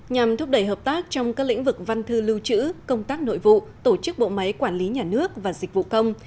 nhằm thúc đẩy hợp tác trong các lĩnh vực văn thư lưu trữ công tác nội vụ tổ chức bộ máy quản lý nhà nước và dịch vụ công